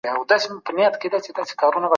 د کتابونو لوستل به ستاسو پوهه زیاته کړي.